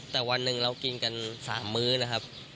แต่วันหนึ่งเรากินกัน๓มื้อนะครับ